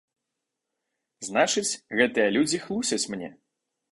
Значыць, гэтыя людзі хлусяць мне.